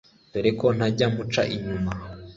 doreko, ntajya muca, inyuma